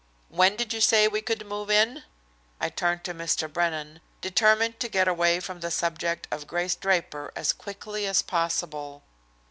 "When did you say we could move in?" I turned to Mr. Brennan, determined to get away from the subject of Grace Draper as quickly as possible.